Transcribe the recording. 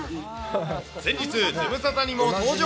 先日、ズムサタにも登場。